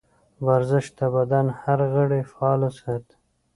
ورزش د بدن هر غړی فعال ساتي.